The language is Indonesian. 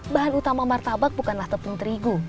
bahan utama martabak bukanlah tepung terigu